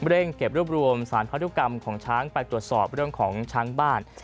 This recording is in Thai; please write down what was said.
เร่งเก็บรวบรวมสารพันธุกรรมของช้างไปตรวจสอบเรื่องของช้างบ้าน